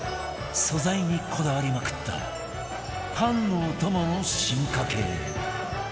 素材にこだわりまくったパンのお供の進化系